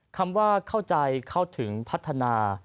คำว่าเข้าใจเข้าถึงพัฒนา